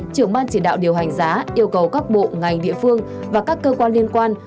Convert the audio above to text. trưởng ban chỉ đạo điều hành giá yêu cầu các bộ ngành địa phương và các cơ quan liên quan